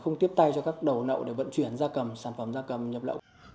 không tiếp tay cho các đầu nậu để vận chuyển ra cầm sản phẩm ra cầm nhập lậu